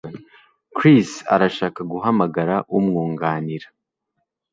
Chris arashaka guhamagara umwunganira